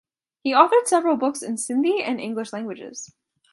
He authored several books in Sindhi and English languages.